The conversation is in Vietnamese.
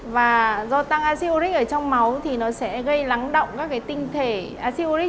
và do tăng acid uric ở trong máu thì nó sẽ gây lắng động các tinh thể acid uric